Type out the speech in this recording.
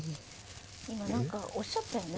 今、何かおっしゃってるの？